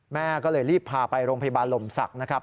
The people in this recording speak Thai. แม่ก็เลยรีบพาไปโรงพยาบาลลมศักดิ์นะครับ